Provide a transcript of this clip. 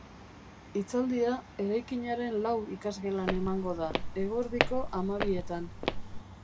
Hitzaldia eraikinaren lau ikasgelan emango da, eguerdiko hamabietan.